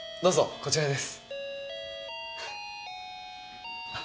こちらです